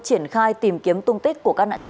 triển khai tìm kiếm tung tích của các nạn